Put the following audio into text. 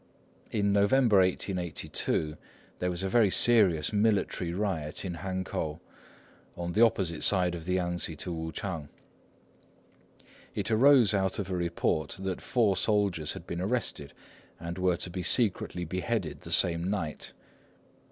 In November, 1882, there was a very serious military riot in Hankow, on the opposite side of the Yang tsze to Wuchang. It arose out of a report that four soldiers had been arrested and were to be secretly beheaded the same night.